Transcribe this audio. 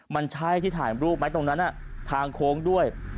มันใช่ที่ถ่ายรูปไหมตรงนั้นทางโค้งด้วย